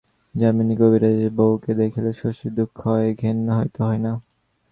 যামিনী কবিরাজের বৌকে দেখিলে শশীর দুঃখ হয়, ঘেন্না হয়তো হয় না।